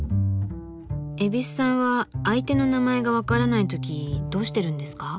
蛭子さんは相手の名前が分からない時どうしてるんですか？